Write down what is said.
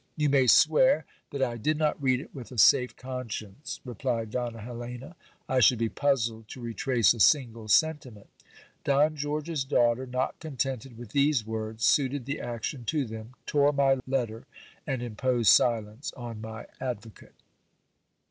You may swear that I did not read it with a safe conscience, replied Donna Helena. I should be puzzled to retrace a single sentiment. Don George's daughter, not contented with these words, suited the action to them, tore my letter, and imposed silence on my advocate.